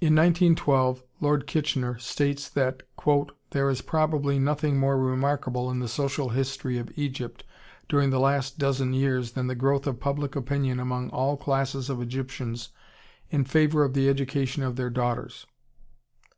In 1912 Lord Kitchener states that "There is probably nothing more remarkable in the social history of Egypt during the last dozen years than the growth of public opinion among all classes of Egyptians in favor of the education of their daughters.